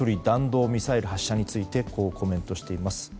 弾道ミサイルの発射についてこうコメントしています。